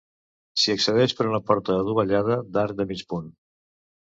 S'hi accedeix per una porta adovellada d'arc de mig punt.